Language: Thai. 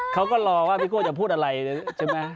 เขาก็รอว่าพี่โก้จะพูดอะไรใช่ไหม